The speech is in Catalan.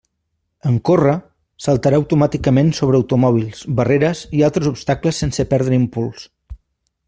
En córrer, saltarà automàticament sobre automòbils, barreres i altres obstacles sense perdre impuls.